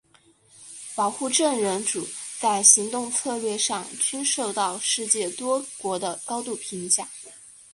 保护证人组在行动策略上均受到世界多国的高度评价。